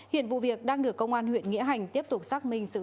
hiện vụ việc đang được công an huyện nghĩa hành tiếp tục xác minh xử lý